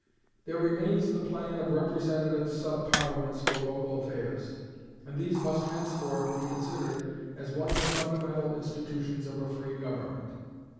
There remains the plan of representative sub Parliaments for local affairs, and these must henceforth be considered as one of the fundamental institutions of a free government.